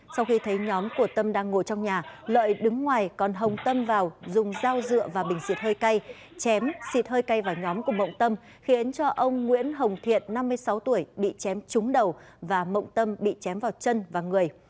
sau khi thấy nhóm của tâm đang ngồi trong nhà lợi đứng ngoài còn hồng tâm vào dùng dao dựa và bình xịt hơi cay chém xịt hơi cay vào nhóm của mộng tâm khiến cho ông nguyễn hồng thiện năm mươi sáu tuổi bị chém trúng đầu và mộng tâm bị chém vào chân và người